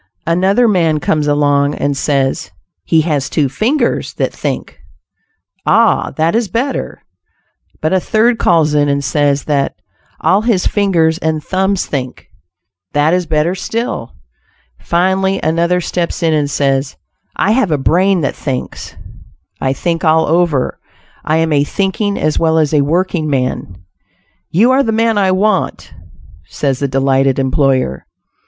Another man comes along, and says "he has two fingers that think." "Ah! that is better." But a third calls in and says that "all his fingers and thumbs think." That is better still. Finally another steps in and says, "I have a brain that thinks; I think all over; I am a thinking as well as a working man!" "You are the man I want," says the delighted employer.